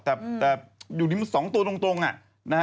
แต่อยู่ดีมันสองตัวตรงอ่ะ